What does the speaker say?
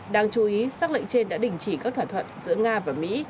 đáng chú ý xác lệnh trên đã đình chỉ các thỏa thuận giữa nga và mỹ